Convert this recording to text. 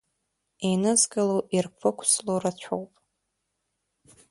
Инызкыло, ирԥықәсло рацәоуп.